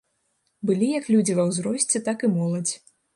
Былі як людзі ва ўзросце, так і моладзь.